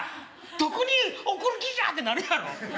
「どこに送る気じゃ」ってなるやろ。